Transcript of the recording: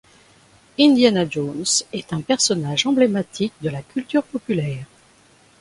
Indiana Jones est un personnage emblématique de la culture populaire.